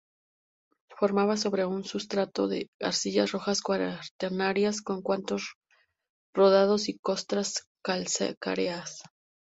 Formada sobre un sustrato de arcillas rojas cuaternarias con cantos rodados y costras calcáreas.